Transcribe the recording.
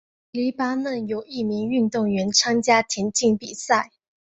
黎巴嫩有一名运动员参加田径比赛。